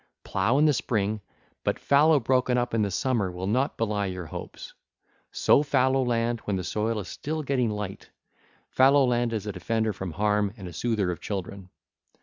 Plough in the spring; but fallow broken up in the summer will not belie your hopes. Sow fallow land when the soil is still getting light: fallow land is a defender from harm and a soother of children.